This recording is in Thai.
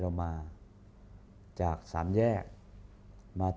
อเรนนี่แหละอเรนนี่แหละ